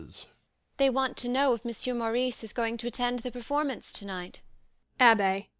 They want to know if Monsieur Maurice is going to attend the performance tonight. ABBÉ.